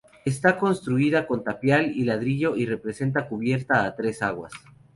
Está construida con tapial y ladrillo y presenta cubierta a tres aguas.